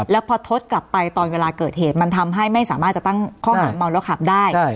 แล้วพอทดกลับไปตอนเวลาเกิดเหตุมันทำให้ไม่สามารถจะตั้งข้อหาเมาแล้วขับได้